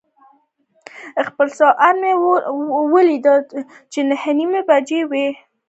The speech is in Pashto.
خپل ساعت مې وکتل، نهه نیمې بجې وې.